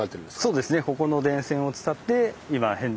そうですね。